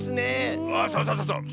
あそうそうそうそう。